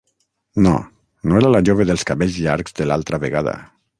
No, no era la jove dels cabells llargs de l'altra vegada.